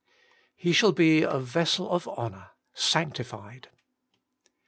* He shall he a vessel of honour, sancti fied.'